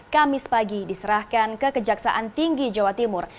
kamis pagi diserahkan ke kejaksaan tinggi jawa timur